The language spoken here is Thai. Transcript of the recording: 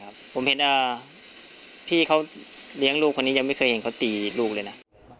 ผมเห็นพี่เขาเลี้ยงลูกคนนี้ยังไม่เคยเห็นเขาตีลูกเลยนะ